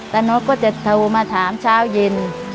นกก็จะโทรมาถามเช้าเย็น